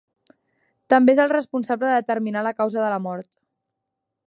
També és el responsable de determinar la causa de la mort.